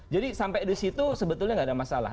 jadi sampai di situ sebetulnya tidak ada masalah